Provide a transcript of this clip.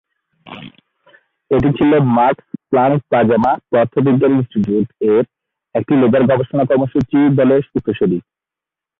এটি ছিল Max Planck plasma পদার্থবিজ্ঞান ইনস্টিটিউট-এর একটি লেজার গবেষণা কর্মসূচী দলের উত্তরসূরি।